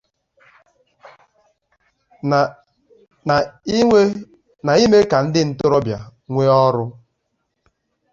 na ime ka ndị ntorobịa nwee ọrụ